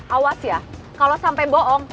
awas ya kalau sampai bohong